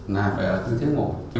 nào phải là tư thế ngộ